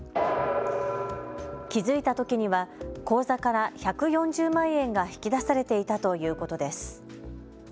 気付いたときには口座から１４０万円が引き出されていたということです。